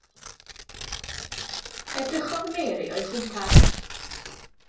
Edrychodd Mary o'i chwmpas.